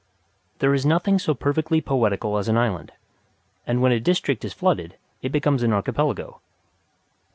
There is nothing so perfectly poetical as an island; and when a district is flooded it becomes an archipelago.